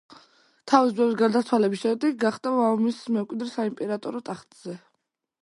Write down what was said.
თავისი ძმების გარდაცვალების შემდეგ გახდა მამამისის მემკვიდრე საიმპერატორო ტახტზე.